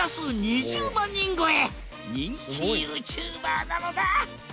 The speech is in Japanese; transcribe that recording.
人気ＹｏｕＴｕｂｅｒなのだ！